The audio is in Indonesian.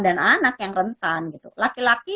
dan anak yang rentan gitu laki laki